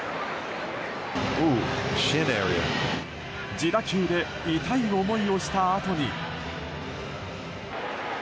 自打球で痛い思いをしたあとに。